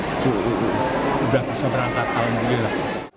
itu udah bisa berangkat tahun juga